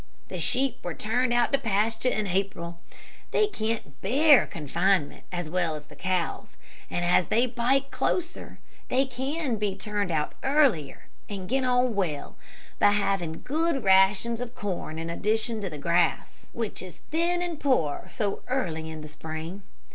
The sheep were turned out to pasture in April. They can't bear confinement as well as the cows, and as they bite closer they can be turned out earlier, and get on well by having good rations of corn in addition to the grass, which is thin and poor so early in the spring.